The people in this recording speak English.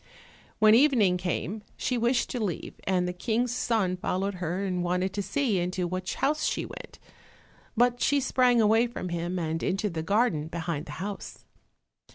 When evening came she wished to leave, and the King's son followed her and wanted to see into which house she went. But she sprang away from him, and into the garden behind the house.